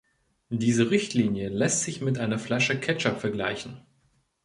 Diese Richtlinie lässt sich mit einer Flasche Ketchup vergleichen.